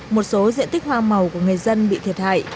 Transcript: một số diện tích hoa màu của người dân bị thiệt hại